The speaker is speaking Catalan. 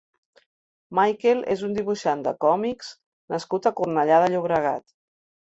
Maikel és un dibuixant de còmics nascut a Cornellà de Llobregat.